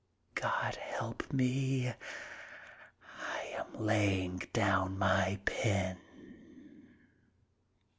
God help me! I am laying down my pen!